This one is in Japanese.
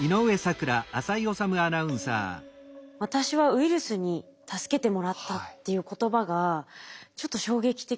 「私はウイルスに助けてもらった」っていう言葉がちょっと衝撃的でしたね。